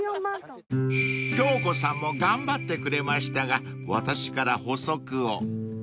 ［京子さんも頑張ってくれましたが私から補足を］